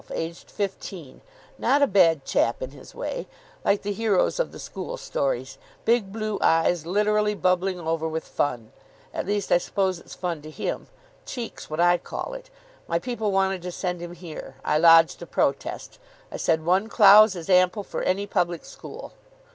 Aged fifteen. Not a bad chap in his way. Like the heroes of the school stories. 'Big blue eyes literally bubbling over with fun.' At least, I suppose it's fun to him. Cheek's what I call it. My people wanted to send him here. I lodged a protest. I said, 'One Clowes is ample for any public school.